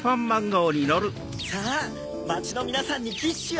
さぁまちのみなさんにキッシュを！